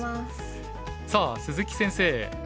さあ鈴木先生